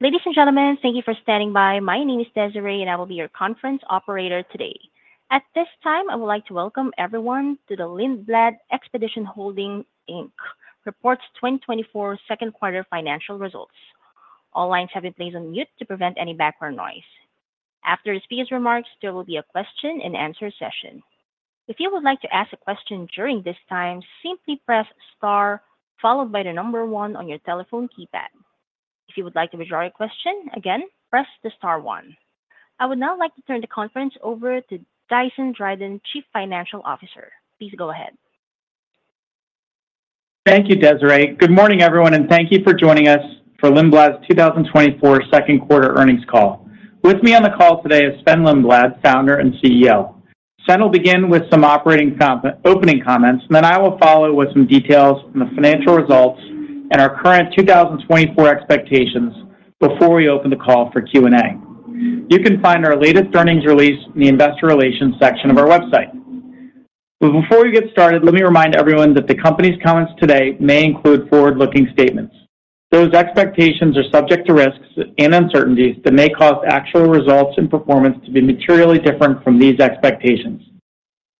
Ladies and gentlemen, thank you for standing by. My name is Desiree, and I will be your conference operator today. At this time, I would like to welcome everyone to the Lindblad Expeditions Holdings, Inc. Reports 2024 Q2 Financial Results. All lines have been placed on mute to prevent any background noise. After his remarks, there will be a question-and-answer session. If you would like to ask a question during this time, simply press star followed by the number one on your telephone keypad. If you would like to withdraw your question, again, press the star one. I would now like to turn the conference over to Dyson Dryden, Chief Financial Officer. Please go ahead. Thank you, Desiree. Good morning, everyone, and thank you for joining us for Lindblad's 2024 second-quarter earnings call. With me on the call today is Sven Lindblad, Founder and CEO. Sven will begin with some opening comments, and then I will follow with some details on the financial results and our current 2024 expectations before we open the call for Q&A. You can find our latest earnings release in the investor relations section of our website. But before we get started, let me remind everyone that the company's comments today may include forward-looking statements. Those expectations are subject to risks and uncertainties that may cause actual results and performance to be materially different from these expectations.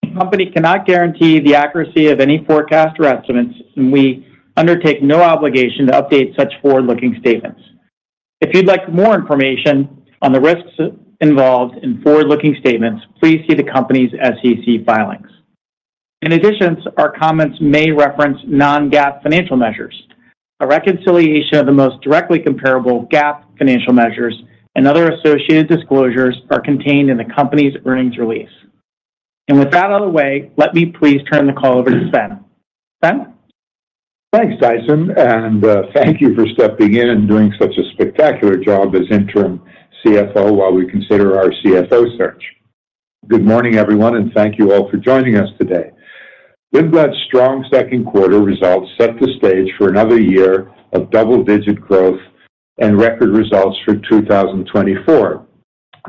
The company cannot guarantee the accuracy of any forecast or estimates, and we undertake no obligation to update such forward-looking statements. If you'd like more information on the risks involved in forward-looking statements, please see the company's SEC filings. In addition, our comments may reference non-GAAP financial measures. A reconciliation of the most directly comparable GAAP financial measures and other associated disclosures are contained in the company's earnings release. With that out of the way, let me please turn the call over to Sven. Sven? Thanks, Dyson, and thank you for stepping in and doing such a spectacular job as interim CFO while we consider our CFO search. Good morning, everyone, and thank you all for joining us today. Lindblad's strong Q2 results set the stage for another year of double-digit growth and record results for 2024.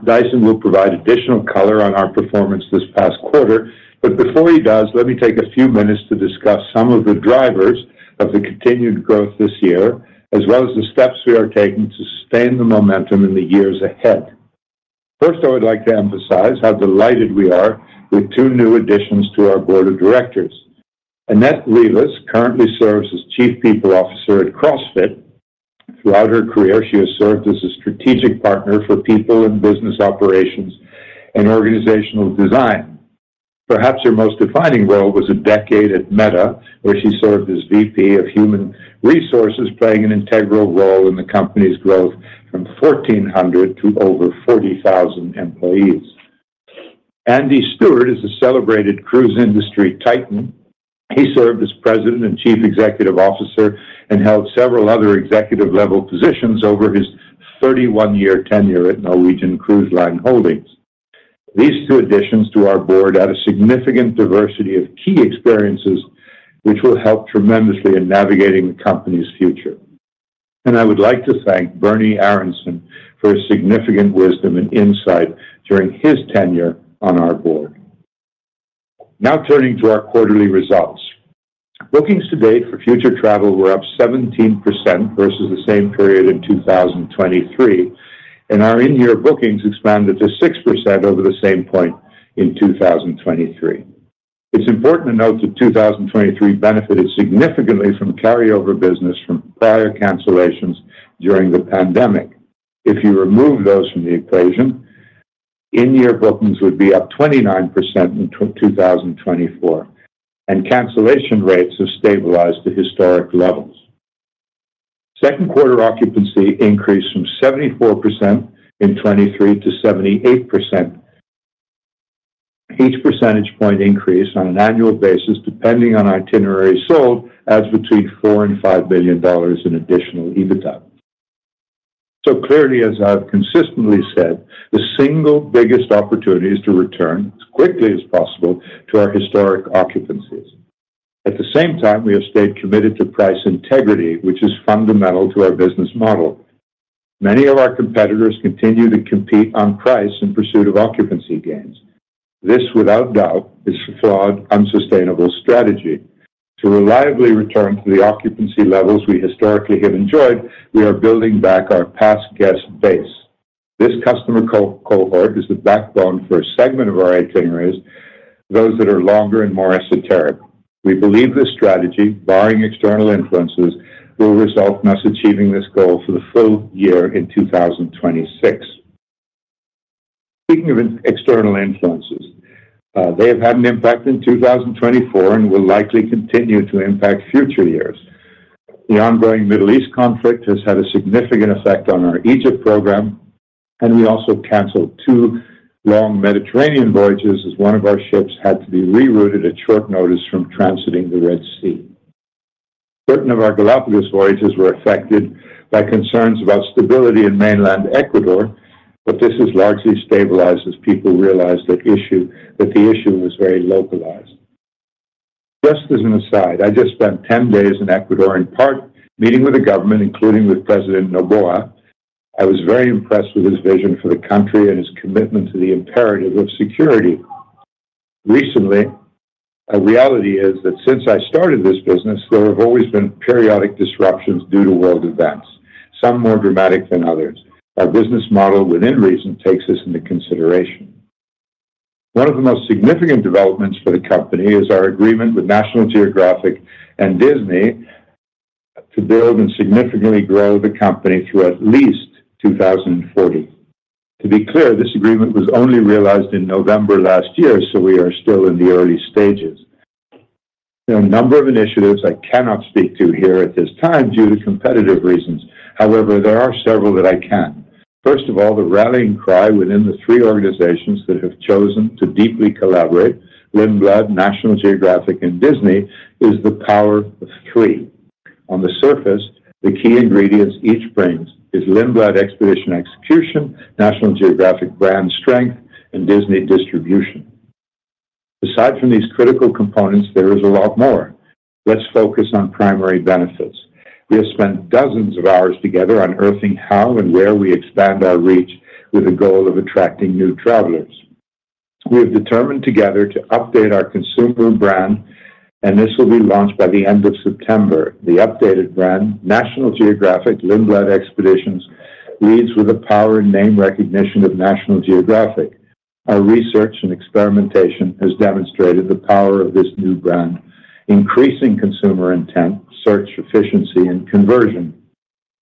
Dyson will provide additional color on our performance this past quarter, but before he does, let me take a few minutes to discuss some of the drivers of the continued growth this year, as well as the steps we are taking to sustain the momentum in the years ahead. First, I would like to emphasize how delighted we are with two new additions to our board of directors. Annette Reavis currently serves as Chief People Officer at CrossFit. Throughout her career, she has served as a strategic partner for people in business operations and organizational design. Perhaps her most defining role was a decade at Meta, where she served as VP of Human Resources, playing an integral role in the company's growth from 1,400 to over 40,000 employees. Andy Stuart is a celebrated cruise industry titan. He served as President and Chief Executive Officer and held several other executive-level positions over his 31-year tenure at Norwegian Cruise Line Holdings. These two additions to our board add a significant diversity of key experiences, which will help tremendously in navigating the company's future. I would like to thank Bernie Aronson for his significant wisdom and insight during his tenure on our board. Now, turning to our quarterly results. Bookings to date for future travel were up 17% versus the same period in 2023, and our in-year bookings expanded to 6% over the same point in 2023. It's important to note that 2023 benefited significantly from carryover business from prior cancellations during the pandemic. If you remove those from the equation, in-year bookings would be up 29% in 2024, and cancellation rates have stabilized to historic levels. Q2 occupancy increased from 74% in 2023 to 78%. Each percentage point increase on an annual basis, depending on itinerary sold, adds between $4 billion and $5 billion in additional EBITDA. So clearly, as I've consistently said, the single biggest opportunity is to return as quickly as possible to our historic occupancies. At the same time, we have stayed committed to price integrity, which is fundamental to our business model. Many of our competitors continue to compete on price in pursuit of occupancy gains. This, without doubt, is a flawed, unsustainable strategy. To reliably return to the occupancy levels we historically have enjoyed, we are building back our past guest base. This customer cohort is the backbone for a segment of our itineraries, those that are longer and more esoteric. We believe this strategy, barring external influences, will result in us achieving this goal for the full year in 2026. Speaking of external influences, they have had an impact in 2024 and will likely continue to impact future years. The ongoing Middle East conflict has had a significant effect on our Egypt program, and we also canceled two long Mediterranean voyages, as one of our ships had to be rerouted at short notice from transiting the Red Sea. Certain of our Galapagos voyages were affected by concerns about stability in mainland Ecuador, but this has largely stabilized as people realized that issue - that the issue was very localized. Just as an aside, I just spent 10 days in Ecuador, in part meeting with the government, including with President Noboa. I was very impressed with his vision for the country and his commitment to the imperative of security.... Recently, a reality is that since I started this business, there have always been periodic disruptions due to world events, some more dramatic than others. Our business model, within reason, takes this into consideration. One of the most significant developments for the company is our agreement with National Geographic and Disney to build and significantly grow the company through at least 2040. To be clear, this agreement was only realized in November last year, so we are still in the early stages. There are a number of initiatives I cannot speak to here at this time due to competitive reasons. However, there are several that I can. First of all, the rallying cry within the three organizations that have chosen to deeply collaborate, Lindblad, National Geographic, and Disney, is the power of three. On the surface, the key ingredients each brings is Lindblad expedition execution, National Geographic brand strength, and Disney distribution. Aside from these critical components, there is a lot more. Let's focus on primary benefits. We have spent dozens of hours together unearthing how and where we expand our reach with the goal of attracting new travelers. We have determined together to update our consumer brand, and this will be launched by the end of September. The updated brand, National Geographic Lindblad Expeditions, leads with the power and name recognition of National Geographic. Our research and experimentation has demonstrated the power of this new brand, increasing consumer intent, search efficiency, and conversion.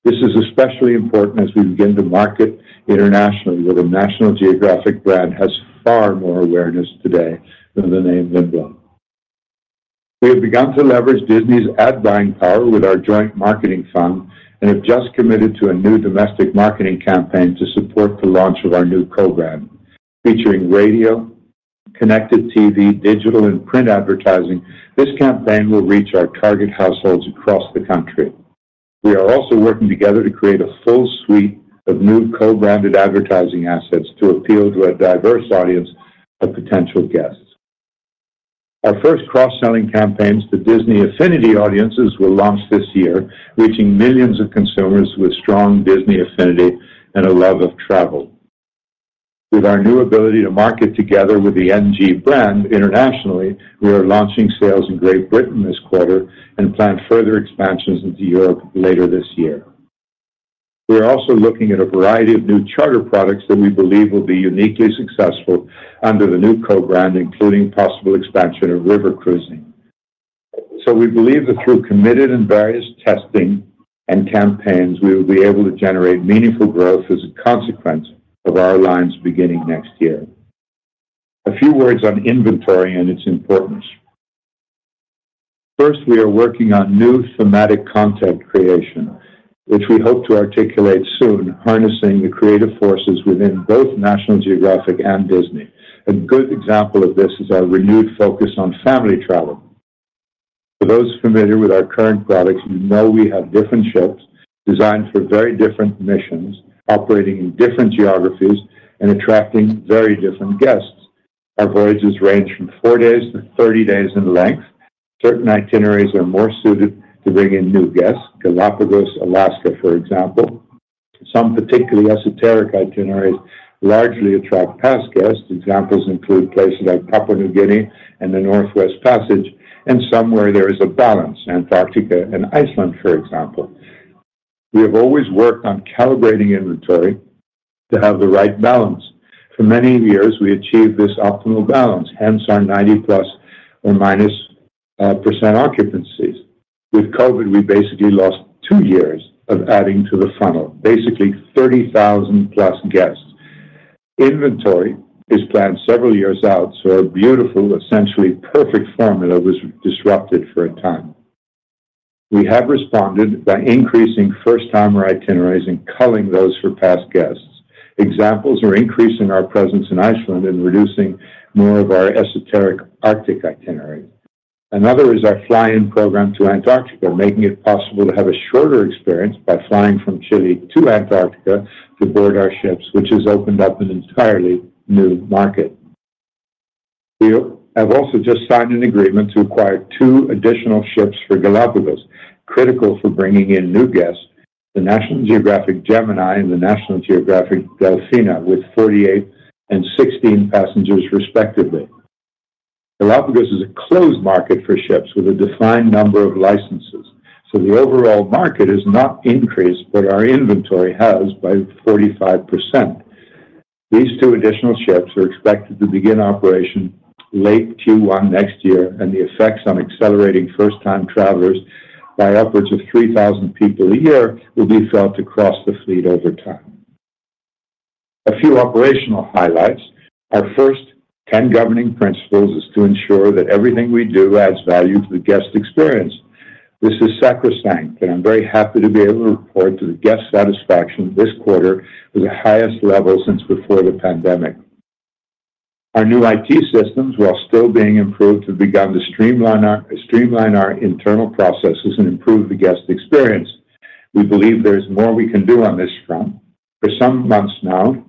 This is especially important as we begin to market internationally, where the National Geographic brand has far more awareness today than the name Lindblad. We have begun to leverage Disney's ad buying power with our joint marketing fund and have just committed to a new domestic marketing campaign to support the launch of our new program. Featuring radio, connected TV, digital, and print advertising, this campaign will reach our target households across the country. We are also working together to create a full suite of new co-branded advertising assets to appeal to a diverse audience of potential guests. Our first cross-selling campaigns to Disney Affinity audiences will launch this year, reaching millions of consumers with strong Disney affinity and a love of travel. With our new ability to market together with the NG brand internationally, we are launching sales in Great Britain this quarter and plan further expansions into Europe later this year. We are also looking at a variety of new charter products that we believe will be uniquely successful under the new co-brand, including possible expansion of river cruising. We believe that through committed and various testing and campaigns, we will be able to generate meaningful growth as a consequence of our lines beginning next year. A few words on inventory and its importance. First, we are working on new thematic content creation, which we hope to articulate soon, harnessing the creative forces within both National Geographic and Disney. A good example of this is our renewed focus on family travel. For those familiar with our current products, you know we have different ships designed for very different missions, operating in different geographies and attracting very different guests. Our voyages range from 4 days to 30 days in length. Certain itineraries are more suited to bring in new guests, Galapagos, Alaska, for example. Some particularly esoteric itineraries largely attract past guests. Examples include places like Papua New Guinea and the Northwest Passage, and somewhere there is a balance, Antarctica and Iceland, for example. We have always worked on calibrating inventory to have the right balance. For many years, we achieved this optimal balance, hence our 90% + or minus occupancies. With COVID, we basically lost two years of adding to the funnel, basically 30,000+ guests. Inventory is planned several years out, so our beautiful, essentially perfect formula was disrupted for a time. We have responded by increasing first-timer itineraries and culling those for past guests. Examples are increasing our presence in Iceland and reducing more of our esoteric Arctic itinerary. Another is our fly-in program to Antarctica, making it possible to have a shorter experience by flying from Chile to Antarctica to board our ships, which has opened up an entirely new market. We have also just signed an agreement to acquire 2 additional ships for Galapagos, critical for bringing in new guests, the National Geographic Gemini and the National Geographic Delfina, with 48 and 16 passengers respectively. Galapagos is a closed market for ships with a defined number of licenses, so the overall market has not increased, but our inventory has by 45%. These 2 additional ships are expected to begin operation late Q1 next year, and the effects on accelerating first-time travelers by upwards of 3,000 people a year will be felt across the fleet over time. A few operational highlights. Our first 10 governing principles is to ensure that everything we do adds value to the guest experience. This is sacrosanct, and I'm very happy to be able to report that the guest satisfaction this quarter was the highest level since before the pandemic. Our new IT systems, while still being improved, have begun to streamline our internal processes and improve the guest experience. We believe there is more we can do on this front. For some months now,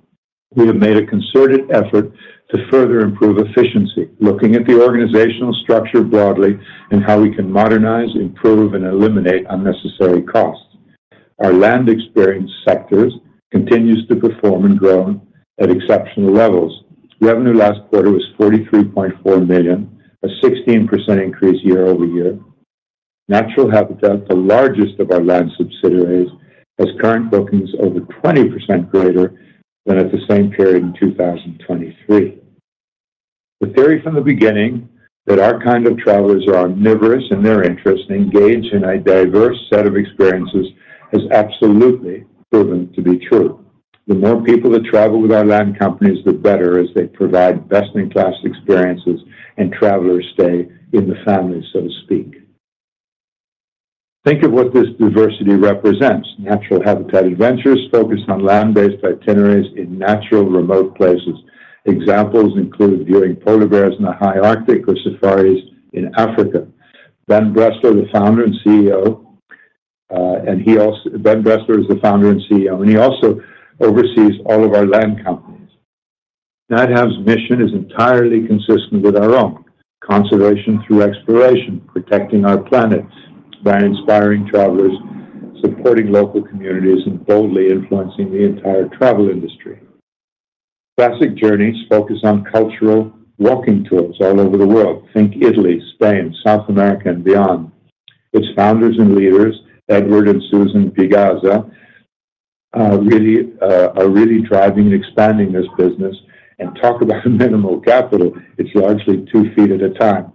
we have made a concerted effort to further improve efficiency, looking at the organizational structure broadly and how we can modernize, improve, and eliminate unnecessary costs. Our Land Experiences sector continues to perform and grow at exceptional levels. Revenue last quarter was $33.4 million, a 16% increase year-over-year. Natural Habitat, the largest of our land subsidiaries, has current bookings over 20% greater than at the same period in 2023. The theory from the beginning, that our kind of travelers are omnivorous in their interest and engage in a diverse set of experiences, has absolutely proven to be true. The more people that travel with our land companies, the better, as they provide best-in-class experiences and travelers stay in the family, so to speak. Think of what this diversity represents. Natural Habitat Adventures focused on land-based itineraries in natural, remote places. Examples include viewing polar bears in the high Arctic or safaris in Africa. Ben Breslauer is the founder and CEO, and he also oversees all of our land companies. Nat Hab's mission is entirely consistent with our own: conservation through exploration, protecting our planet by inspiring travelers, supporting local communities, and boldly influencing the entire travel industry. Classic Journeys focus on cultural walking tours all over the world. Think Italy, Spain, South America, and beyond. Its founders and leaders, Edward and Susan Piegza, are really driving and expanding this business. And talk about minimal capital. It's largely two feet at a time.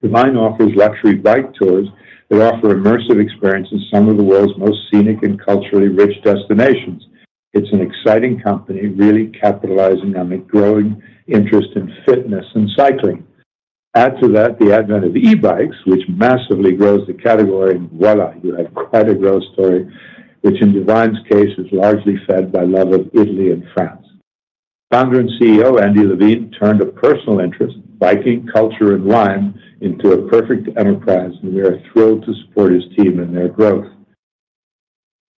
DuVine offers luxury bike tours that offer immersive experiences in some of the world's most scenic and culturally rich destinations. It's an exciting company, really capitalizing on the growing interest in fitness and cycling. Add to that the advent of e-bikes, which massively grows the category, and voila, you have quite a growth story, which in DuVine's case, is largely fed by love of Italy and France. Founder and CEO Andy Levine turned a personal interest, biking, culture, and wine, into a perfect enterprise, and we are thrilled to support his team and their growth.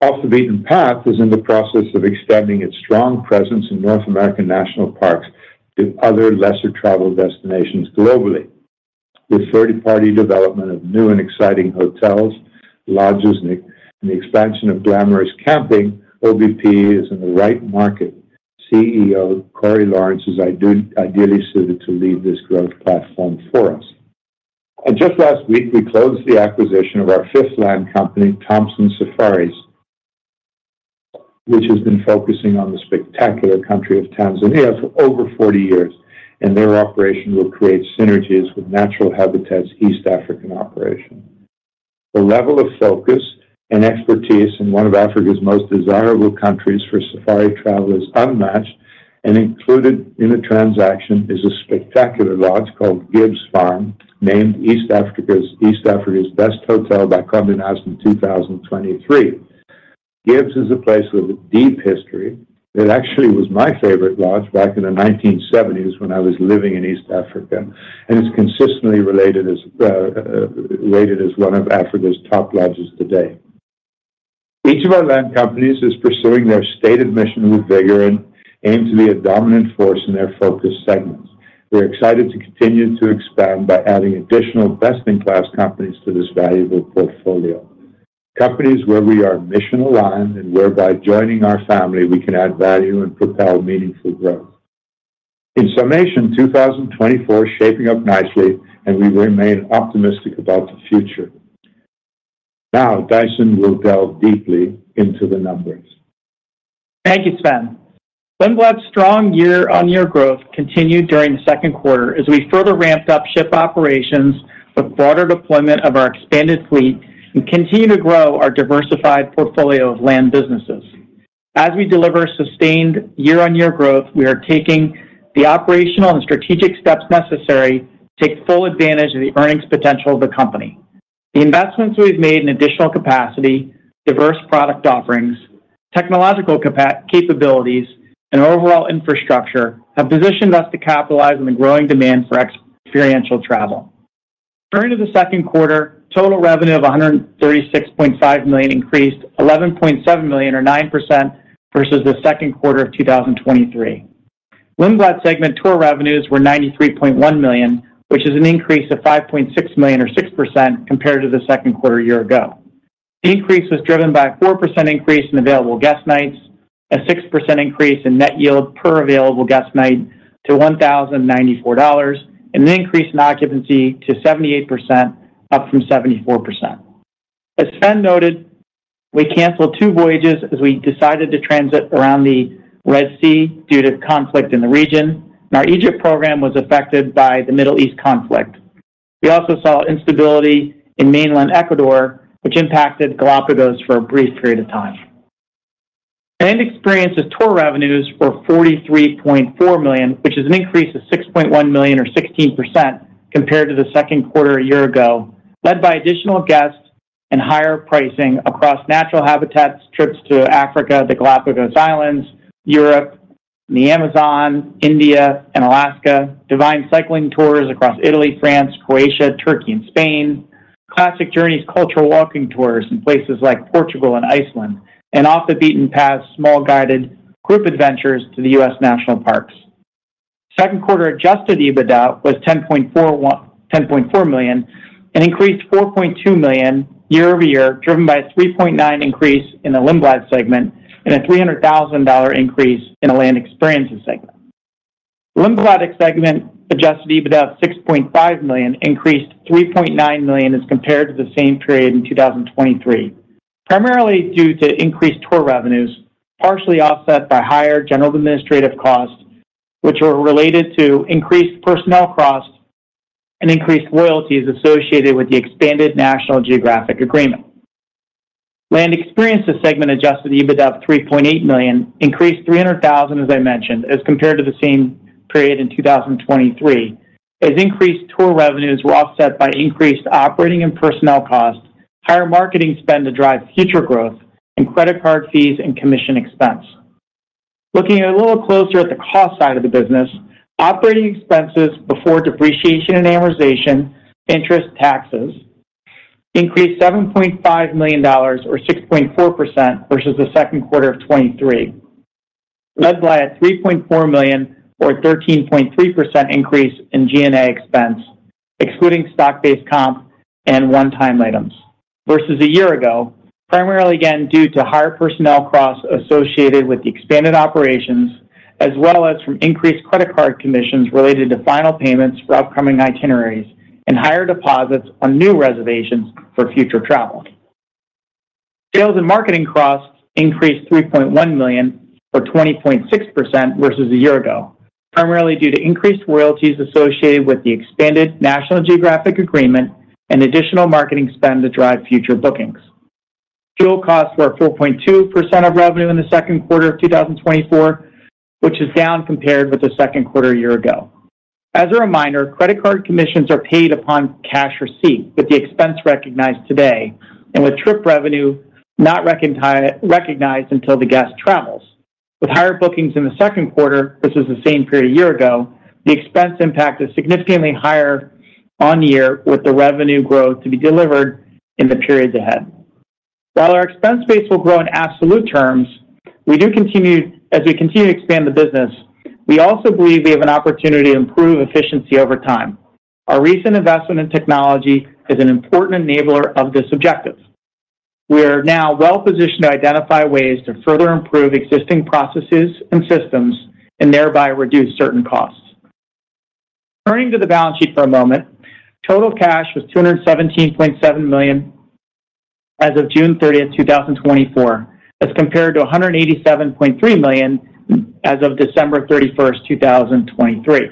Off the Beaten Path is in the process of extending its strong presence in North American national parks to other lesser-traveled destinations globally. With third-party development of new and exciting hotels, lodges, and the expansion of glamorous camping, OBP is in the right market. CEO Corey Lawrence is ideally suited to lead this growth platform for us. And just last week, we closed the acquisition of our fifth land company, Thomson Safaris, which has been focusing on the spectacular country of Tanzania for over 40 years, and their operation will create synergies with Natural Habitat's East African operation. The level of focus and expertise in one of Africa's most desirable countries for safari travel is unmatched, and included in the transaction is a spectacular lodge called Gibbs Farm, named East Africa's best hotel by Condé Nast in 2023. Gibbs is a place with deep history. It actually was my favorite lodge back in the 1970s when I was living in East Africa, and it's consistently rated as one of Africa's top lodges today. Each of our land companies is pursuing their stated mission with vigor and aims to be a dominant force in their focus segments. We're excited to continue to expand by adding additional best-in-class companies to this valuable portfolio. Companies where we are mission-aligned and whereby joining our family, we can add value and propel meaningful growth. In summation, 2024 is shaping up nicely, and we remain optimistic about the future. Now, Dyson will delve deeply into the numbers. Thank you, Sven. Lindblad's strong year-on-year growth continued during the Q2 as we further ramped up ship operations with broader deployment of our expanded fleet and continued to grow our diversified portfolio of land businesses. As we deliver sustained year-on-year growth, we are taking the operational and strategic steps necessary to take full advantage of the earnings potential of the company. The investments we've made in additional capacity, diverse product offerings, technological capabilities, and overall infrastructure have positioned us to capitalize on the growing demand for experiential travel. During the Q2, total revenue of $136.5 million increased $11.7 million, or 9%, versus the Q2 of 2023. Lindblad segment tour revenues were $93.1 million, which is an increase of $5.6 million, or 6%, compared to the Q2 a year ago. The increase was driven by a 4% increase in available guest nights, a 6% increase in net yield per available guest night to $1,094, and an increase in occupancy to 78%, up from 74%. As Sven noted, we canceled 2 voyages as we decided to transit around the Red Sea due to conflict in the region, and our Egypt program was affected by the Middle East conflict. We also saw instability in mainland Ecuador, which impacted Galapagos for a brief period of time. Experiences tour revenues were $43.4 million, which is an increase of $6.1 million, or 16%, compared to the Q2 a year ago, led by additional guests and higher pricing across Natural Habitat's trips to Africa, the Galapagos Islands, Europe, the Amazon, India, and Alaska, DuVine cycling tours across Italy, France, Croatia, Turkey, and Spain, Classic Journeys cultural walking tours in places like Portugal and Iceland, and Off the Beaten Path's small, guided group adventures to the US national parks. Q2 adjusted EBITDA was $10.4 million, an increase of $4.2 million year-over-year, driven by a $3.9 million increase in the Lindblad segment and a $300,000 increase in the Land Experiences segment. Lindblad segment adjusted EBITDA of $6.5 million, increased $3.9 million as compared to the same period in 2023, primarily due to increased tour revenues, partially offset by higher general administrative costs, which were related to increased personnel costs and increased royalties associated with the expanded National Geographic agreement. Land Experiences segment adjusted EBITDA of $3.8 million, increased $300,000, as I mentioned, as compared to the same period in 2023, as increased tour revenues were offset by increased operating and personnel costs, higher marketing spend to drive future growth, and credit card fees and commission expense. Looking a little closer at the cost side of the business, operating expenses before depreciation and amortization, interest, taxes increased $7.5 million, or 6.4%, versus the Q2 of 2023, led by a $3.4 million, or 13.3% increase in GA expense, excluding stock-based comp and one-time items. Versus a year ago, primarily again, due to higher personnel costs associated with the expanded operations, as well as from increased credit card commissions related to final payments for upcoming itineraries and higher deposits on new reservations for future travel. Sales and marketing costs increased $3.1 million, or 20.6% versus a year ago, primarily due to increased royalties associated with the expanded National Geographic agreement and additional marketing spend to drive future bookings. Fuel costs were 4.2% of revenue in the Q2 of 2024, which is down compared with the Q2 a year ago. As a reminder, credit card commissions are paid upon cash receipt, with the expense recognized today and with trip revenue not recognized until the guest travels. With higher bookings in the Q2 versus the same period a year ago, the expense impact is significantly higher on year, with the revenue growth to be delivered in the periods ahead. While our expense base will grow in absolute terms, as we continue to expand the business, we also believe we have an opportunity to improve efficiency over time. Our recent investment in technology is an important enabler of this objective. We are now well-positioned to identify ways to further improve existing processes and systems and thereby reduce certain costs. Turning to the balance sheet for a moment, total cash was $217.7 million as of June 30, 2024, as compared to $187.3 million as of December 31, 2023.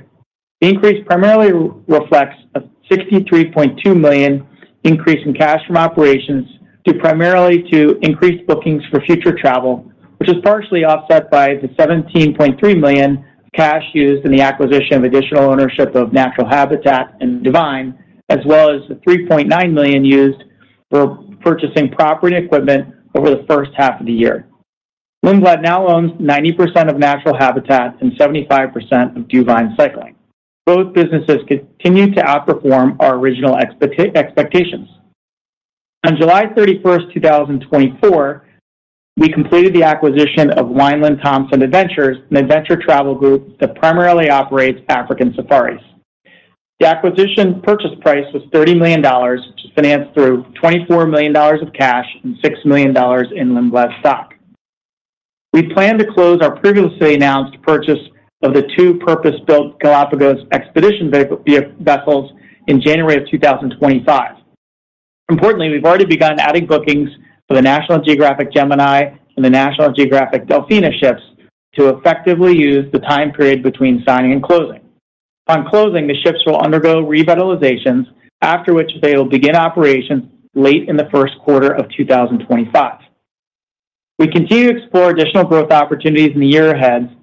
The increase primarily reflects a $63.2 million increase in cash from operations due primarily to increased bookings for future travel, which is partially offset by the $17.3 million cash used in the acquisition of additional ownership of Natural Habitat and DuVine, as well as the $3.9 million used for purchasing property and equipment over the first half of the year. Lindblad now owns 90% of Natural Habitat and 75% of DuVine Cycling. Both businesses continue to outperform our original expectations. On July 31, 2024, we completed the acquisition of Wineland-Thomson Adventures, an adventure travel group that primarily operates African safaris. The acquisition purchase price was $30 million, which is financed through $24 million of cash and $6 million in Lindblad stock. We plan to close our previously announced purchase of the two purpose-built Galapagos expedition vessels in January 2025. Importantly, we've already begun adding bookings for the National Geographic Gemini and the National Geographic Delfina ships to effectively use the time period between signing and closing. On closing, the ships will undergo revitalizations, after which they will begin operations late in the Q1 of 2025. We continue to explore additional growth opportunities in the year ahead,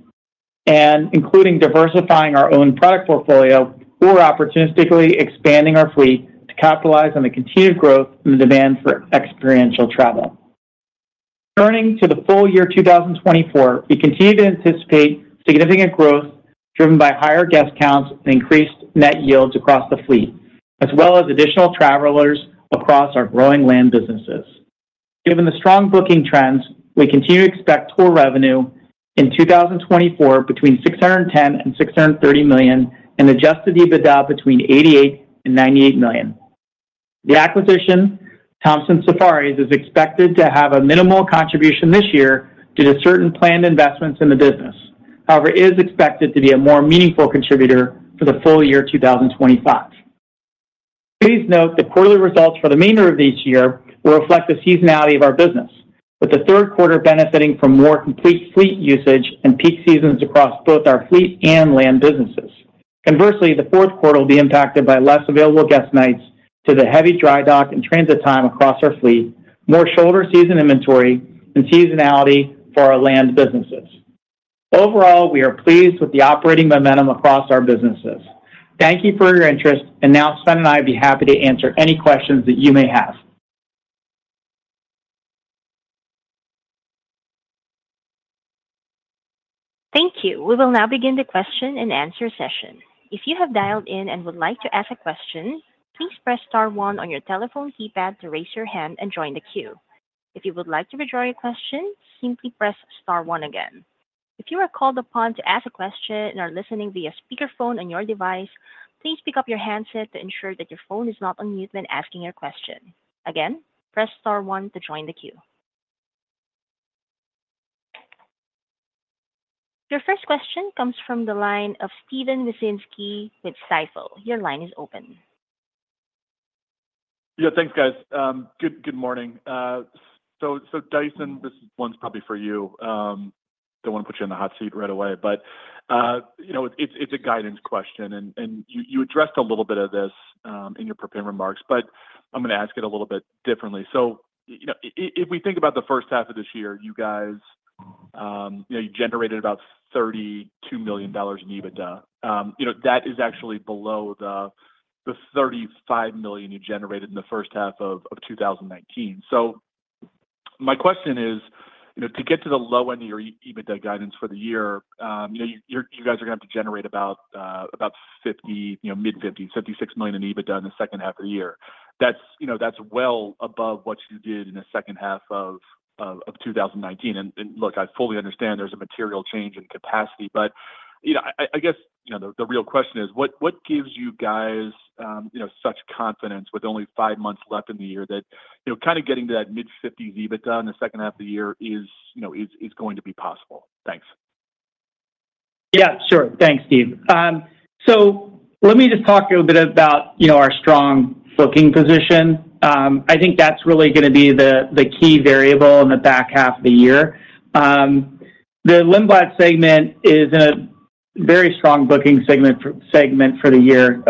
and including diversifying our own product portfolio or opportunistically expanding our fleet to capitalize on the continued growth and the demand for experiential travel. Turning to the full year 2024, we continue to anticipate significant growth, driven by higher guest counts and increased net yields across the fleet, as well as additional travelers across our growing land businesses. Given the strong booking trends, we continue to expect tour revenue in 2024 between $610 million and $630 million, and Adjusted EBITDA between $88 million and $98 million. The acquisition, Thompson Safaris, is expected to have a minimal contribution this year due to certain planned investments in the business. However, it is expected to be a more meaningful contributor for the full year 2025. Please note that quarterly results for the remainder of each year will reflect the seasonality of our business, with the Q3 benefiting from more complete fleet usage and peak seasons across both our fleet and land businesses. Conversely, the Q4 will be impacted by less available guest nights due to the heavy dry dock and transit time across our fleet, more shoulder season inventory, and seasonality for our land businesses. Overall, we are pleased with the operating momentum across our businesses. Thank you for your interest, and now Sven and I would be happy to answer any questions that you may have. Thank you. We will now begin the question-and-answer session. If you have dialed in and would like to ask a question, please press star one on your telephone keypad to raise your hand and join the queue.... If you would like to withdraw your question, simply press star one again. If you are called upon to ask a question and are listening via speakerphone on your device, please pick up your handset to ensure that your phone is not on mute when asking your question. Again, press star one to join the queue. Your first question comes from the line of Steven Wieczynski with Stifel. Your line is open. Yeah, thanks, guys. Good morning. So, Dyson, this one's probably for you. Don't want to put you in the hot seat right away, but, you know, it's a guidance question, and you addressed a little bit of this in your prepared remarks, but I'm gonna ask it a little bit differently. So, you know, if we think about the first half of this year, you guys, you know, you generated about $32 million in EBITDA. You know, that is actually below the $35 million you generated in the first half of 2019. My question is, you know, to get to the low end of your EBITDA guidance for the year, you know, you guys are gonna have to generate about 50, you know, mid-50s, $56 million in EBITDA in the second half of the year. That's, you know, that's well above what you did in the second half of 2019. Look, I fully understand there's a material change in capacity, but, you know, I guess, you know, the real question is: what gives you guys, you know, such confidence with only five months left in the year that, you know, kind of getting to that mid-50s EBITDA in the second half of the year is, you know, is going to be possible? Thanks. Yeah, sure. Thanks, Steve. So let me just talk a little bit about, you know, our strong booking position. I think that's really gonna be the key variable in the back half of the year. The Lindblad segment is in a very strong booking segment for the year.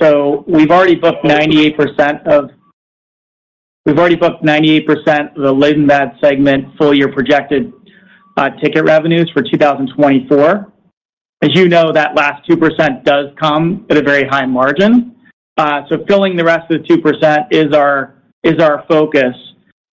So we've already booked 98% of the Lindblad segment full year projected ticket revenues for 2024. As you know, that last 2% does come at a very high margin. So filling the rest of the 2% is our focus.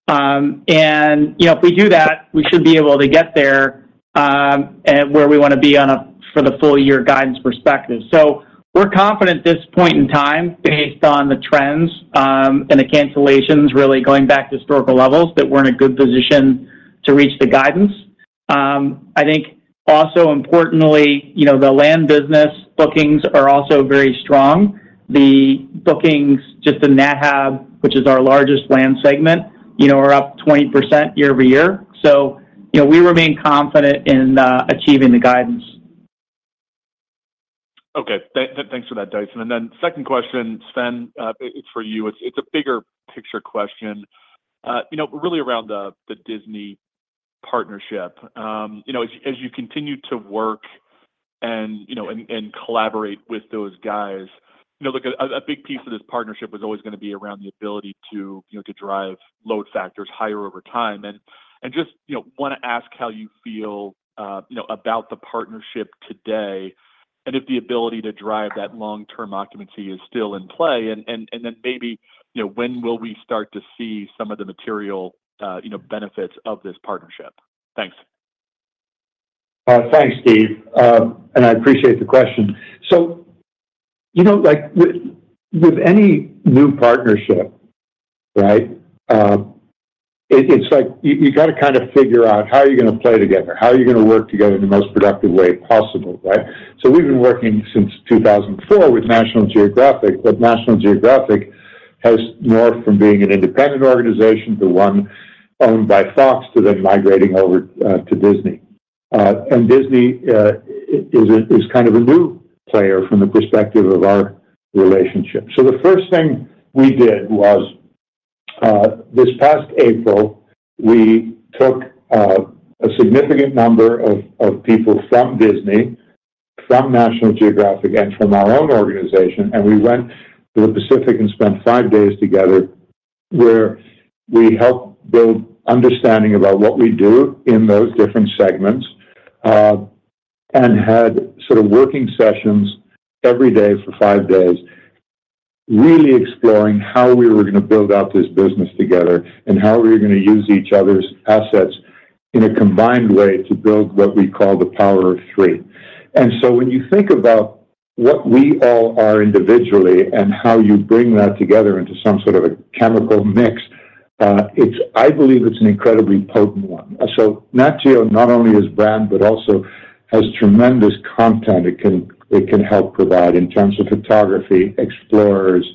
And, you know, if we do that, we should be able to get there, and where we wanna be on a, for the full year guidance perspective. So we're confident at this point in time, based on the trends, and the cancellations really going back to historical levels, that we're in a good position to reach the guidance. I think also importantly, you know, the land business bookings are also very strong. The bookings, just in NatHab, which is our largest land segment, you know, are up 20% year-over-year. So, you know, we remain confident in achieving the guidance. Okay. Thanks for that, Dyson. And then second question, Sven, it's for you. It's a bigger picture question, you know, really around the Disney partnership. You know, as you continue to work and, you know, and collaborate with those guys, you know, look, a big piece of this partnership was always gonna be around the ability to, you know, to drive load factors higher over time. And just, you know, wanna ask how you feel, you know, about the partnership today, and if the ability to drive that long-term occupancy is still in play. And then maybe, you know, when will we start to see some of the material, you know, benefits of this partnership? Thanks. Thanks, Steve. I appreciate the question. So, you know, like, with any new partnership, right, it's like you gotta kind of figure out how are you gonna play together? How are you gonna work together in the most productive way possible, right? So we've been working since 2004 with National Geographic, but National Geographic has morphed from being an independent organization to one owned by Fox, to then migrating over to Disney. And Disney is kind of a new player from the perspective of our relationship. So the first thing we did was, this past April, we took a significant number of people from Disney, from National Geographic, and from our own organization, and we went to the Pacific and spent five days together, where we helped build understanding about what we do in those different segments, and had sort of working sessions every day for five days, really exploring how we were gonna build out this business together and how we were gonna use each other's assets in a combined way to build what we call the Power of Three. And so when you think about what we all are individually and how you bring that together into some sort of a chemical mix, it's. I believe it's an incredibly potent one. So Nat Geo not only is brand, but also has tremendous content it can, it can help provide in terms of photography, explorers,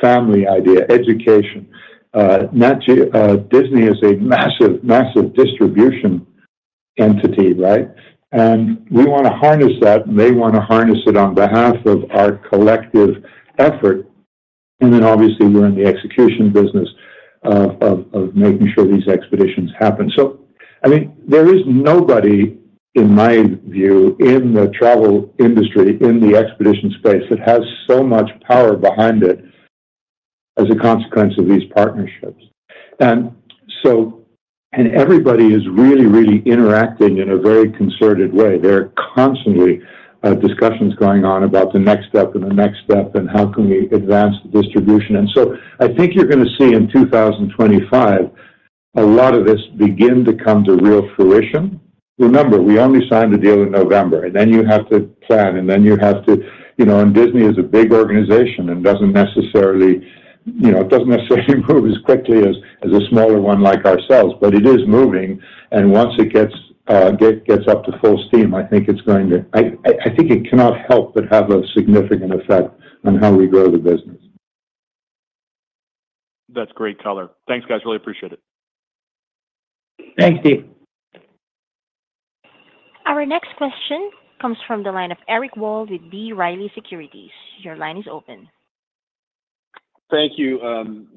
family idea, education. Disney is a massive, massive distribution entity, right? And we wanna harness that, and they wanna harness it on behalf of our collective effort. And then, obviously, we're in the execution business of making sure these expeditions happen. So, I mean, there is nobody, in my view, in the travel industry, in the expedition space, that has so much power behind it as a consequence of these partnerships. And so... And everybody is really, really interacting in a very concerted way. There are constantly, discussions going on about the next step and the next step, and how can we advance the distribution. And so I think you're gonna see in 2025-... A lot of this begin to come to real fruition. Remember, we only signed the deal in November, and then you have to plan, and then you have to, you know, and Disney is a big organization and doesn't necessarily, you know, it doesn't necessarily move as quickly as, as a smaller one like ourselves, but it is moving, and once it gets, gets up to full steam, I think it's going to—I think it cannot help but have a significant effect on how we grow the business. That's great color. Thanks, guys. Really appreciate it. Thanks, Steve. Our next question comes from the line of Eric Wold with B. Riley Securities. Your line is open. Thank you.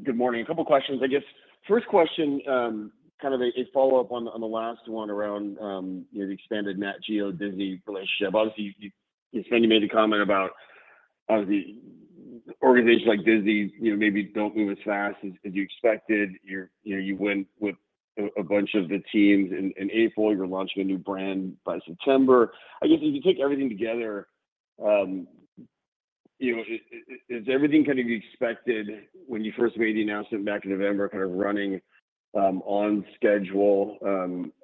Good morning. A couple questions, I guess. First question, kind of a follow-up on the last one around, you know, the expanded Nat Geo-Disney relationship. Obviously, you said you made the comment about how the organizations like Disney, you know, maybe don't move as fast as you expected. You know, you went with a bunch of the teams in April. You're launching a new brand by September. I guess, if you take everything together, you know, is everything kind of expected when you first made the announcement back in November, kind of running on schedule,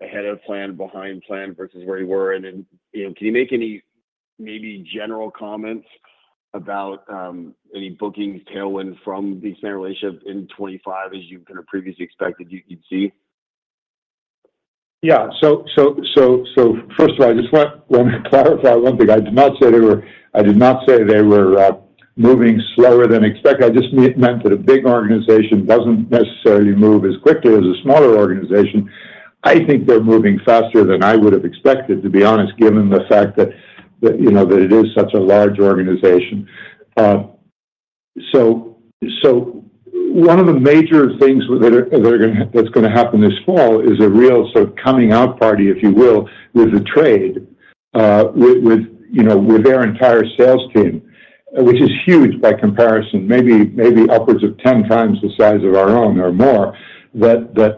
ahead of plan, behind plan versus where you were? And then, you know, can you make any maybe general comments about any bookings tailwind from the extended relationship in 2025, as you've kinda previously expected you'd see? Yeah. So first of all, I just want to clarify one thing. I did not say they were moving slower than expected. I just meant that a big organization doesn't necessarily move as quickly as a smaller organization. I think they're moving faster than I would have expected, to be honest, given the fact that you know that it is such a large organization. So one of the major things that's gonna happen this fall is a real sort of coming out party, if you will, with the trade, with their entire sales team, which is huge by comparison, maybe upwards of 10 times the size of our own or more, that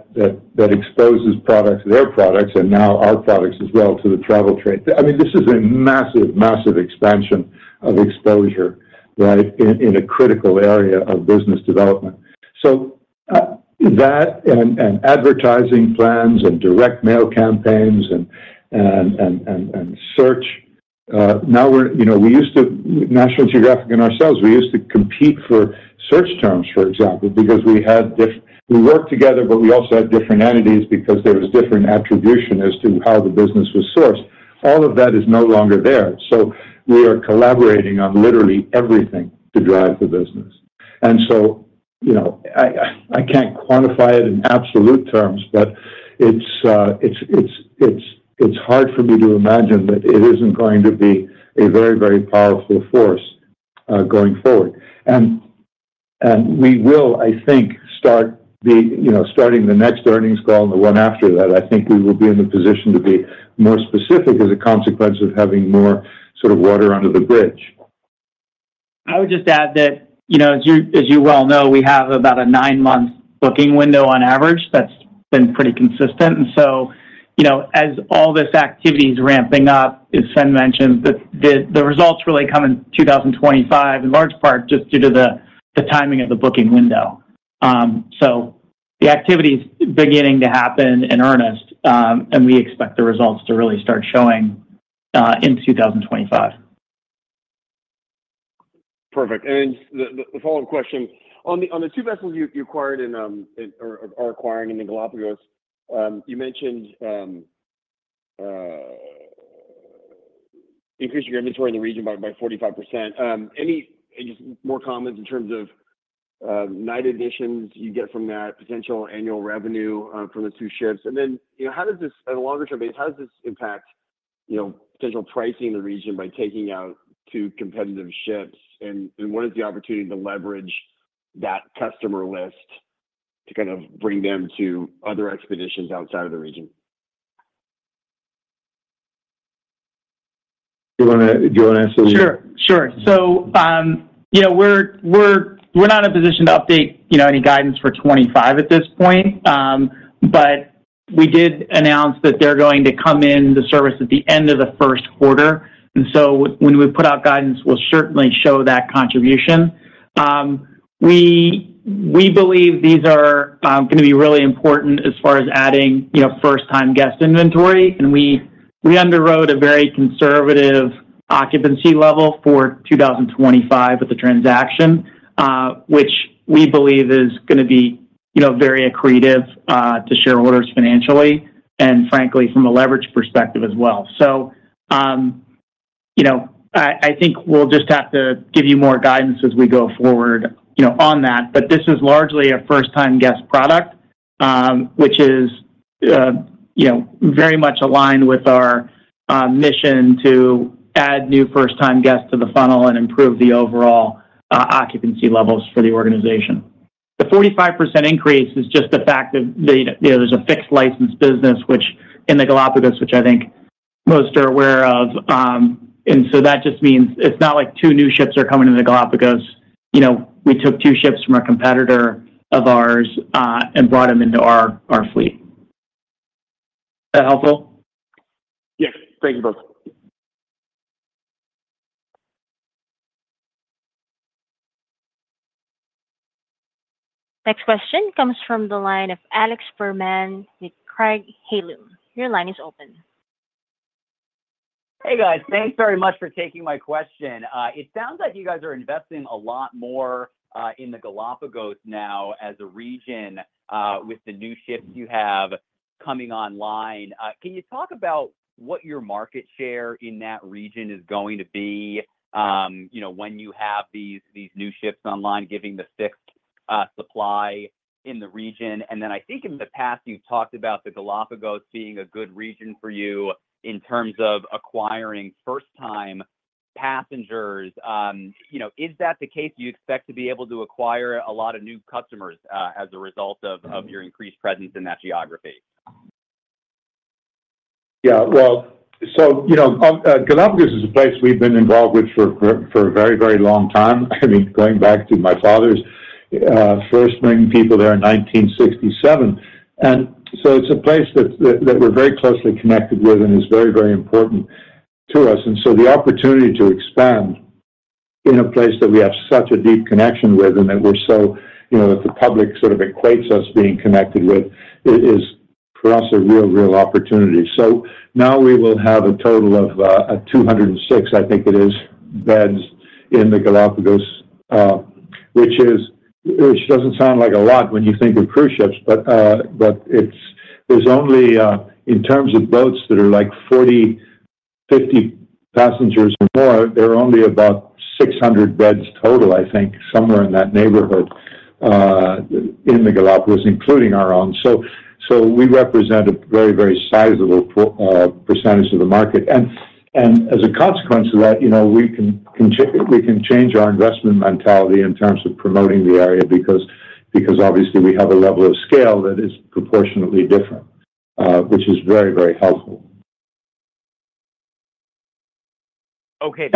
exposes products, their products, and now our products as well to the travel trade. I mean, this is a massive, massive expansion of exposure, right, in a critical area of business development. So that and advertising plans and direct mail campaigns and search. Now we're, you know, we used to, National Geographic and ourselves, we used to compete for search terms, for example, because we worked together, but we also had different entities because there was different attribution as to how the business was sourced. All of that is no longer there, so we are collaborating on literally everything to drive the business. And so, you know, I can't quantify it in absolute terms, but it's hard for me to imagine that it isn't going to be a very, very powerful force going forward. And we will, I think, start the, you know, starting the next earnings call and the one after that, I think we will be in the position to be more specific as a consequence of having more sort of water under the bridge. I would just add that, you know, as you, as you well know, we have about a nine-month booking window on average. That's been pretty consistent. And so, you know, as all this activity is ramping up, as Sven mentioned, the results really come in 2025, in large part just due to the timing of the booking window. So the activity is beginning to happen in earnest, and we expect the results to really start showing in 2025. Perfect. And the follow-up question: On the two vessels you acquired and or are acquiring in the Galapagos, you mentioned increasing your inventory in the region by 45%. Any more comments in terms of night additions you get from that potential annual revenue from the two ships? And then, you know, how does this, on a longer-term basis, how does this impact, you know, potential pricing in the region by taking out two competitive ships, and what is the opportunity to leverage that customer list to kind of bring them to other expeditions outside of the region? Do you wanna answer this? Sure, sure. So, you know, we're not in a position to update, you know, any guidance for 25 at this point. But we did announce that they're going to come in the service at the end of the Q1, and so when we put out guidance, we'll certainly show that contribution. We believe these are gonna be really important as far as adding, you know, first-time guest inventory, and we underwrote a very conservative occupancy level for 2025 with the transaction, which we believe is gonna be, you know, very accretive to shareholders financially and frankly, from a leverage perspective as well. So, you know, I think we'll just have to give you more guidance as we go forward, you know, on that. But this is largely a first-time guest product, which is, you know, very much aligned with our mission to add new first-time guests to the funnel and improve the overall occupancy levels for the organization. The 45% increase is just the fact that the, you know, there's a fixed license business, which in the Galapagos, which I think most are aware of. And so that just means it's not like two new ships are coming into Galapagos. You know, we took two ships from a competitor of ours and brought them into our, our fleet. Is that helpful? Yes. Thank you both. Next question comes from the line of Alex Fuhrman with Craig-Hallum. Your line is open. Hey, guys. Thanks very much for taking my question. It sounds like you guys are investing a lot more in the Galapagos now as a region with the new ships you have coming online. Can you talk about what your market share in that region is going to be, you know, when you have these new ships online, giving the sixth supply in the region? And then I think in the past, you've talked about the Galapagos being a good region for you in terms of acquiring first-time passengers. You know, is that the case? Do you expect to be able to acquire a lot of new customers as a result of your increased presence in that geography? Yeah, well, so, you know, Galapagos is a place we've been involved with for a very, very long time. I mean, going back to my father's first bringing people there in 1967. And so it's a place that we're very closely connected with, and it's very, very important to us. And so the opportunity to expand in a place that we have such a deep connection with and that we're so... You know, that the public sort of equates us being connected with, it is, for us, a real, real opportunity. So now we will have a total of two hundred and six, I think it is, beds in the Galapagos. which doesn't sound like a lot when you think of cruise ships, but there's only, in terms of boats that are like 40, 50 passengers or more, there are only about 600 beds total, I think, somewhere in that neighborhood, in the Galapagos, including our own. So we represent a very, very sizable percentage of the market. And as a consequence of that, you know, we can change our investment mentality in terms of promoting the area because obviously we have a level of scale that is proportionately different, which is very, very helpful. Okay-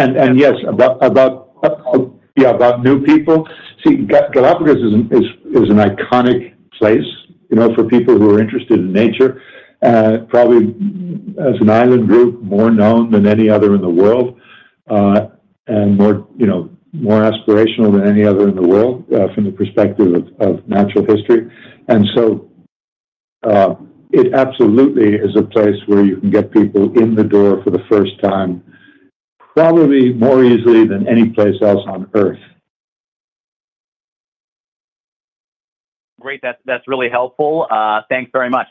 Yes, about new people. See, Galapagos is an iconic place, you know, for people who are interested in nature. Probably as an island group, more known than any other in the world, and more, you know, more aspirational than any other in the world, from the perspective of natural history. So, it absolutely is a place where you can get people in the door for the first time, probably more easily than any place else on Earth. Great. That's, that's really helpful. Thanks very much.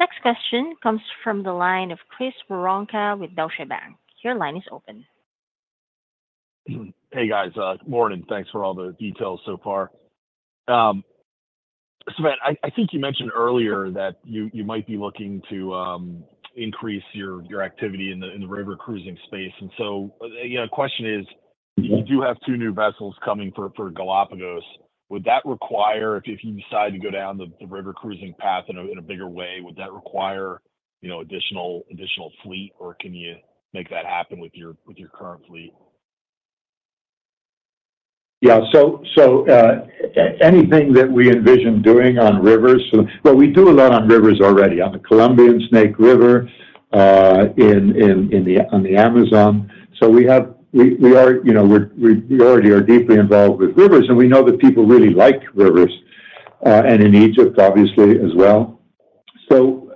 Next question comes from the line of Chris Woronka with Deutsche Bank. Your line is open. Hey, guys. Good morning. Thanks for all the details so far. Sven, I think you mentioned earlier that you might be looking to increase your activity in the river cruising space. And so, you know, the question is: You do have two new vessels coming for Galapagos. Would that require... If you decide to go down the river cruising path in a bigger way, would that require, you know, additional fleet, or can you make that happen with your current fleet? Yeah. So anything that we envision doing on rivers. Well, we do a lot on rivers already, on the Columbia and Snake River, on the Amazon. So we are, you know, we're already deeply involved with rivers, and we know that people really like rivers, and in Egypt, obviously, as well. So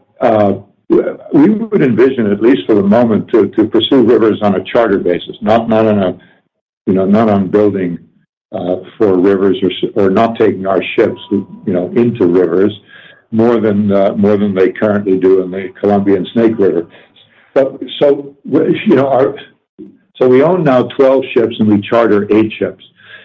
we would envision, at least for the moment, to pursue rivers on a charter basis, not on a, you know, not on building for rivers or not taking our ships, you know, into rivers more than they currently do in the Columbia and Snake River. But so, you know, so we own now 12 ships, and we charter eight ships,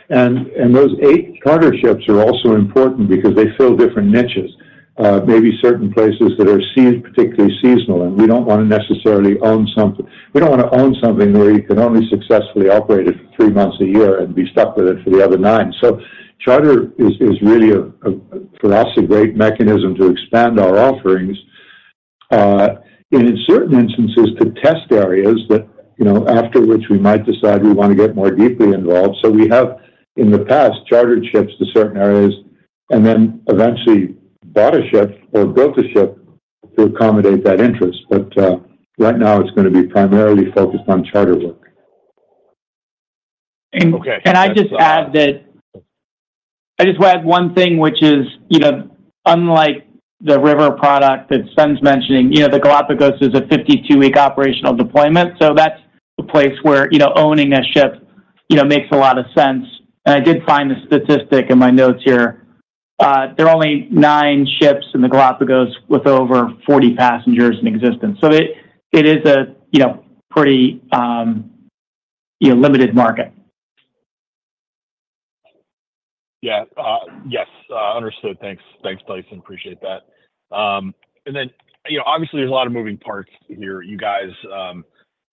and those eight charter ships are also important because they fill different niches. Maybe certain places that are particularly seasonal, and we don't want to necessarily own something where you can only successfully operate it for three months a year and be stuck with it for the other nine. So charter is really, for us, a great mechanism to expand our offerings, and in certain instances, to test areas that, you know, after which we might decide we want to get more deeply involved. So we have, in the past, chartered ships to certain areas and then eventually bought a ship or built a ship to accommodate that interest. But right now it's gonna be primarily focused on charter work. Okay- And can I just add that I just want to add one thing, which is, you know, unlike the river product that Sven's mentioning, you know, the Galapagos is a 52-week operational deployment. So that's a place where, you know, owning a ship, you know, makes a lot of sense. And I did find a statistic in my notes here. There are only nine ships in the Galapagos with over 40 passengers in existence. So it is a, you know, pretty, you know, limited market. Yeah. Yes, understood. Thanks. Thanks, Dyson. Appreciate that. And then, you know, obviously, there's a lot of moving parts here. You guys,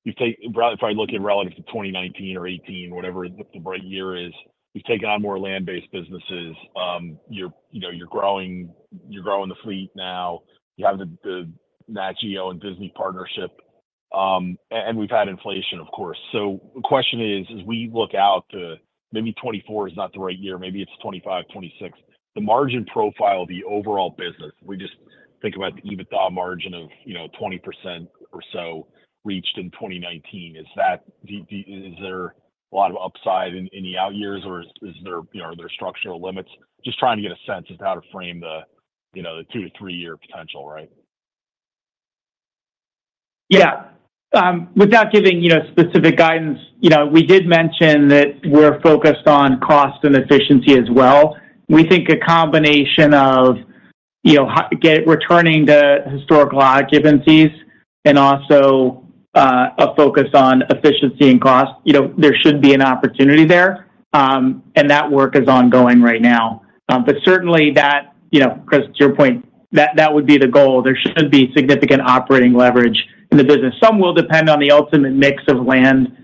if I look at relative to 2019 or 2018, whatever the right year is, you've taken on more land-based businesses. You're, you know, you're growing, you're growing the fleet now. You have the, the Nat Geo and Disney partnership, and we've had inflation, of course. So the question is: As we look out to maybe 2024 is not the right year, maybe it's 2025, 2026, the margin profile, the overall business, we just think about the EBITDA margin of, you know, 20% or so reached in 2019. Is that the, the... Is there a lot of upside in, in the out years, or is, is there, you know, are there structural limits? Just trying to get a sense of how to frame the, you know, the 2- to 3-year potential, right? Yeah. Without giving, you know, specific guidance, you know, we did mention that we're focused on cost and efficiency as well. We think a combination of, you know, returning to historical occupancies and also, a focus on efficiency and cost, you know, there should be an opportunity there. And that work is ongoing right now. But certainly that, you know, Chris, to your point, that, that would be the goal. There should be significant operating leverage in the business. Some will depend on the ultimate mix of land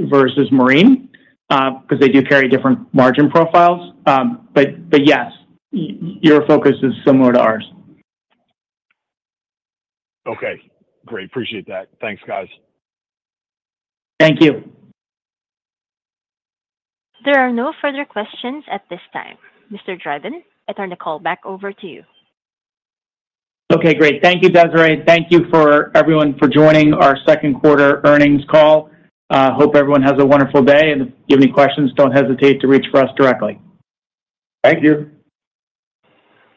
versus marine, because they do carry different margin profiles. But, but yes, your focus is similar to ours. Okay, great. Appreciate that. Thanks, guys. Thank you. There are no further questions at this time. Mr. Dryden, I turn the call back over to you. Okay, great. Thank you, Desiree. Thank you for everyone for joining our Q2 earnings call. Hope everyone has a wonderful day, and if you have any questions, don't hesitate to reach for us directly. Thank you.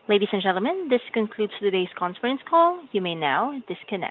Ladies and gentlemen, this concludes today's conference call. You may now disconnect.